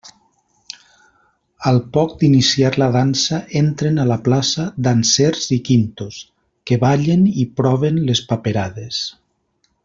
Al poc d'iniciar la dansa entren a la plaça dansers i quintos, que ballen i proven les paperades.